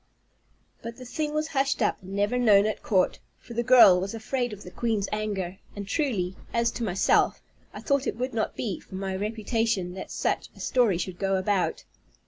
But the thing was hushed up, and never known at court, for the girl was afraid of the queen's anger; and truly, as to myself, I thought it would not be for my reputation that such a story should go about.